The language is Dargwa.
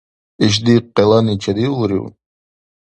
Ишди къелани чедиулрив?